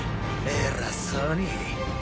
偉そうに。